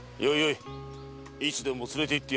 いつでも連れていってやるぞ。